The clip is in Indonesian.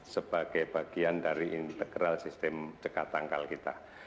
sebagai bagian dari integral sistem dekat tangkal kita